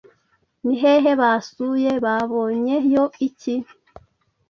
Ni hehe basuye? Babonyeyo iki?